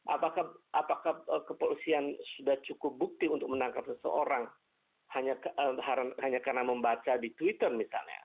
apakah kepolisian sudah cukup bukti untuk menangkap seseorang hanya karena membaca di twitter misalnya